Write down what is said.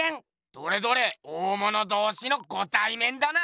どれどれ大物同士のごたいめんだな。